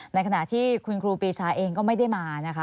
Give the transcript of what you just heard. ในขณะที่คุณครูปีชาเองก็ไม่ได้มานะคะ